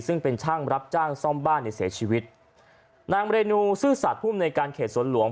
ซึ่งเป็นช่างรับจ้างซ่อมบ้านในเสียชีวิตนางเรนูซื่อสัตว์ภูมิในการเขตสวนหลวง